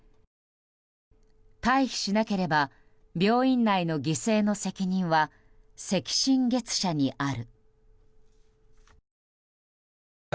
退避しなければ病院内の犠牲の責任は赤新月社にある。